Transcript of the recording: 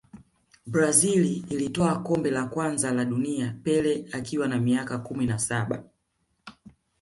brazil ilitwaa kombe la kwanza la dunia pele akiwa na miaka kumi na saba